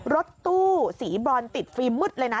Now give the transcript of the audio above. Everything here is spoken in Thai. รถตู้สีบรอนติดฟีมึดเลยนะ